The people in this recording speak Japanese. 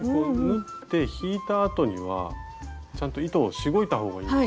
縫って引いたあとにはちゃんと糸をしごいた方がいいですよね？